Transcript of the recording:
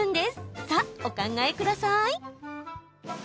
さあお考えください。